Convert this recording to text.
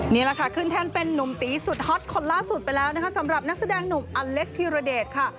นี่แหละค่ะขึ้นแท่นเป็นนุ่มตีสุดฮอตคนล่าสุดไปแล้วนะคะสำหรับนักแสดงหนุ่มอเล็กธิรเดชค่ะ